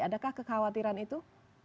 adakah kekhawatiran itu